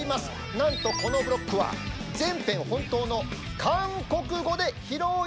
なんとこのブロックは全編本当の韓国語で披露いたします！